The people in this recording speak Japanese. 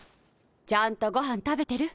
ちゃんとご飯食べてる？